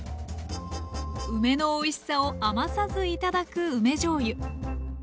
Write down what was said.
梅のおいしさを余さず頂く梅じょうゆ。